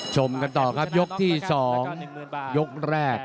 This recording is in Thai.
ชมกันต่อครับยกที่๒ยกแรก